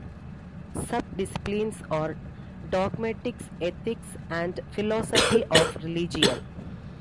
Subdisciplines are dogmatics, ethics and philosophy of religion.